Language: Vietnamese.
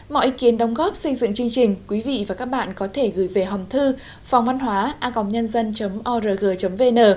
mọi ý kiến đồng góp xin dựng chương trình quý vị và các bạn có thể gửi về hòng thư phòngvănhóa org vn